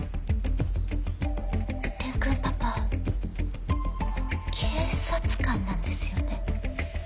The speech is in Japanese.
蓮くんパパ警察官なんですよね？